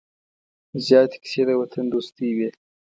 زیاتې کیسې د وطن دوستۍ وې.